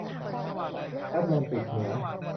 แอตแลนติกเหนือ